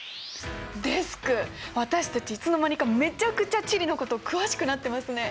デスク私たちいつの間にかめちゃくちゃ地理のこと詳しくなってますね！